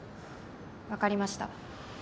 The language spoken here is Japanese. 分かりました。